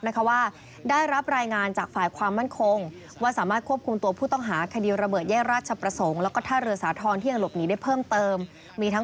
บอกว่าได้ยินมาแบบนี้เหมือนกัน